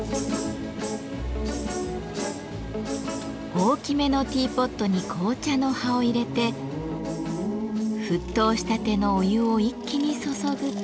大きめのティーポットに紅茶の葉を入れて沸騰したてのお湯を一気に注ぐと。